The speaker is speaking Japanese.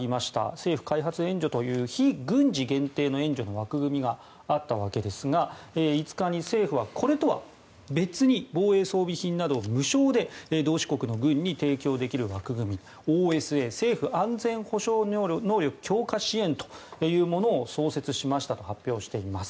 政府開発援助という非軍事限定の枠組みがあったわけですが５日に政府は、これとは別に防衛装備品などを無償で同志国の軍に提供できる枠組みＯＳＡ・政府安全保障能力強化支援を創設しましたと発表しています。